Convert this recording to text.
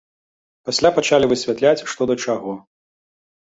Пасля пачалі высвятляць, што да чаго.